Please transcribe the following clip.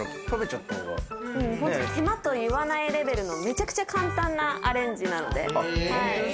手間と言わないレベルのめちゃくちゃ簡単なアレンジなので。